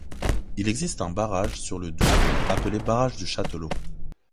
Il existe un barrage sur le Doubs appelé barrage du Châtelot.